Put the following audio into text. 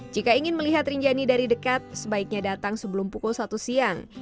jika ingin melihat rinjani dari dekat sebaiknya datang sebelum pukul satu siang